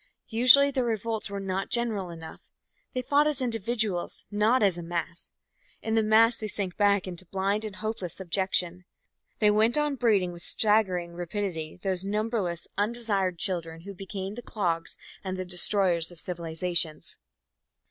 Usually their revolts were not general enough. They fought as individuals, not as a mass. In the mass they sank back into blind and hopeless subjection. They went on breeding with staggering rapidity those numberless, undesired children who become the clogs and the destroyers of civilizations.